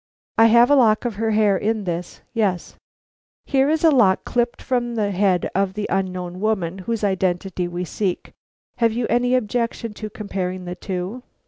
"I have a lock of her hair in this; yes." "Here is a lock clipped from the head of the unknown woman whose identity we seek. Have you any objection to comparing the two?"